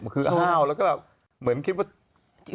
คืออ้าวแล้วก็เหมือนคิดว่า